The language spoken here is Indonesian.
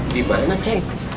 di mana cik